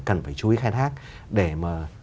cần phải chú ý khai thác để mà